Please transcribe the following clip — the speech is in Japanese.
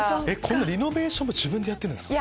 リノベーションも自分でやってるんですか？